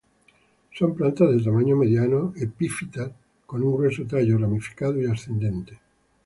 Son plantas de tamaño mediano, epífitas, con un grueso tallo ramificado y ascendente.